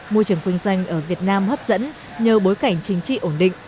môi trường khuyên danh ở việt nam hấp dẫn nhờ bối cảnh chính trị ổn định